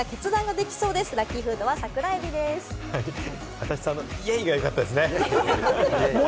足立さんのイエイ！がよかったですね。